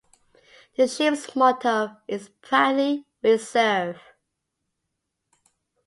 "The ships motto is "Proudly We Serve".